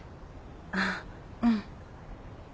ああうん。